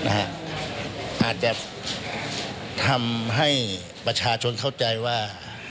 อาจจะทำให้ประชาชนเข้าใจว่า